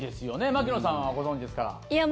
牧野さんはご存知ですから。